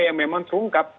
yang memang terungkap